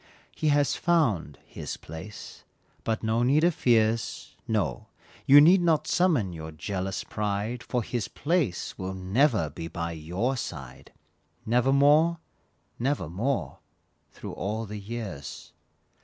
He has found "his place," but no need of fears, No; you need not summon your jealous pride, For "his place" will never be by your side, Nevermore, nevermore, through all the years.